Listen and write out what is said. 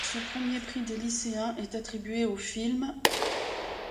Ce premier prix des lycéens est attribué au film.